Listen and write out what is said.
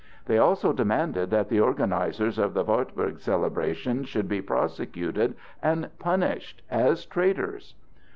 They also demanded that the organizers of the Wartburg celebration should be prosecuted and punished as traitors.